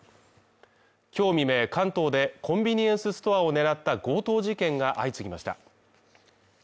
今日未明関東でコンビニエンスストアを狙った強盗事件が相次ぎました。